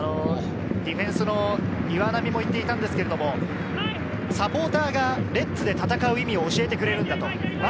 ディフェンスの岩波も言っていたんですけれど、サポーターがレッズで戦う意味を教えてくれるんだ。